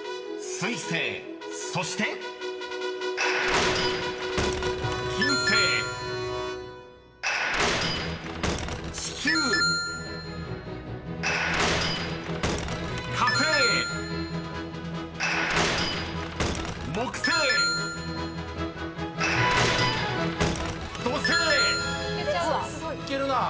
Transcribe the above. ［水星そして］いけるな。